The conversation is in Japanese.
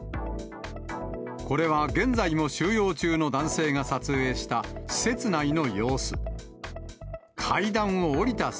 これは現在も収容中の男性が撮影した、施設内の様子。